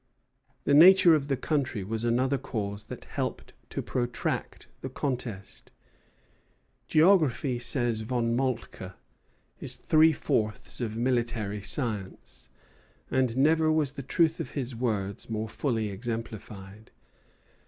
The nature of the country was another cause that helped to protract the contest. "Geography," says Von Moltke, "is three fourths of military science;" and never was the truth of his words more fully exemplified.